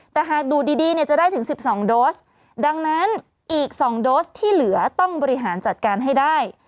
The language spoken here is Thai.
แต่หากดูดีเนี่ยจะได้ถึง๑๒โดสดังนั้นอีก๒โดสที่เหลือต้องบริหารจัดการให้ได้